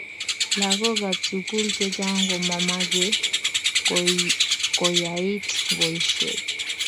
lagookab sugul chechang komamache koyait boishet